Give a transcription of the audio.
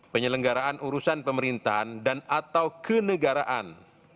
penyelenggaraan urusan pemerintahan dan atau kenegaraan